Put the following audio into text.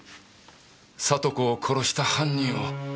里子を殺した犯人を！